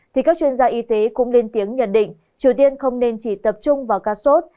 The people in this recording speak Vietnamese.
thì các chuyên gia y tế cũng lên tiếng nhận định triều tiên không nên chỉ tập trung vào cashos